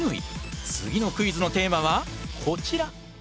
次のクイズのテーマはこちら！